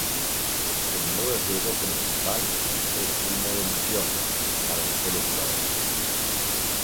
El modo de juego principal es el modo "Mission", para un solo jugador.